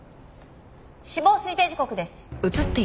死亡推定時刻です。